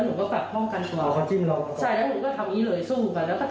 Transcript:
หนูก็สู้อย่างเดียวฉะนั้นหนูก็ไม่ได้นับด้วยว่ากี่ครั้ง